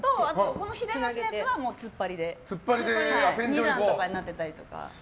この左側のやつは突っ張りで２段になってたりとか。